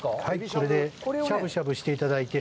これでしゃぶしゃぶしていただいて。